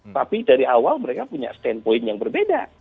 tapi dari awal mereka punya standpoint yang berbeda